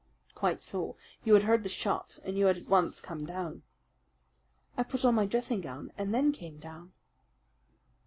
"Quite so. You had heard the shot, and you had at once come down." "I put on my dressing gown and then came down."